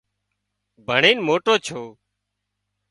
ڀڻينَ موٽو ڇو